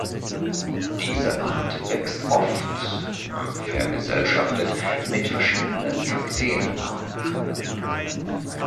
Diese Art wächst oft vergesellschaftet mit verschiedenen Kakteenarten.